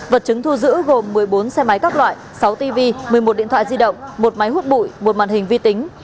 vật chứng thu giữ gồm một mươi bốn xe máy các loại sáu tv một mươi một điện thoại di động một máy hút bụi một màn hình vi tính